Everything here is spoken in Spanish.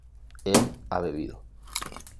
él ha bebido